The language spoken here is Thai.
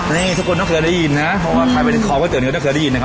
นี่ทุกคนต้องเคยได้ยินนะเพราะว่าใครไปขอข้อเตือนเงินต้องเคยได้ยินนะครับ